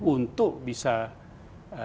untuk bisa mencapai tujuan tujuan tadi